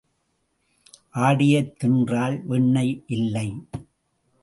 ஆடையைத் தின்றால் வெண்ணெய் இல்லை.